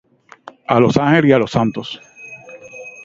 a los ángeles, a los santos